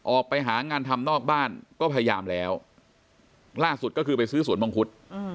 ออกไปหางานทำนอกบ้านก็พยายามแล้วล่าสุดก็คือไปซื้อสวนมังคุด